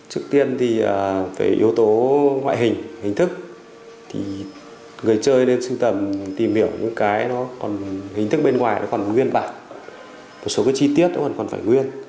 trước tiên thì về yếu tố ngoại hình hình thức thì người chơi nên tìm hiểu những cái hình thức bên ngoài nó còn nguyên bản một số chi tiết nó còn phải nguyên